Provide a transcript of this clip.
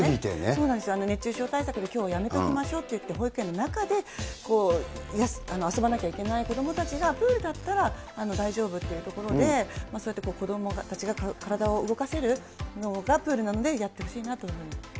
そうなんですよ、熱中症対策できょう、やめときましょうって言って、保育園の中で遊ばなきゃいけない子どもたちが、プールだったら、大丈夫っていうところで、そうやって子どもたちが体を動かせるのがプールなので、やってほしいなというふうに。